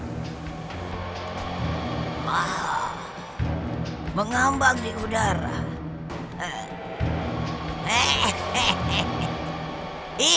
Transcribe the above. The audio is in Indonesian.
dalam keadaan mengambang di udara